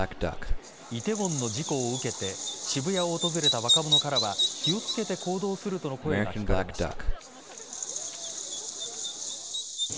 梨泰院の事故を受けて渋谷を訪れた若者からは気をつけて行動するとの声が聞かれました。